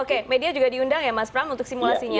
oke media juga diundang ya mas pram untuk simulasinya